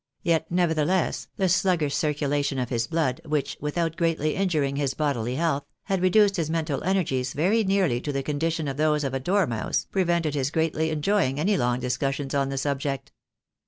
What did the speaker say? yet nevertheless, the sluggish circulation of his blood, which, without greatly injuring his bodily health, had reduced his mental energies very nearly to the condition of those of a dormouse, prevented his greatly enjoying any long discussions on the subject.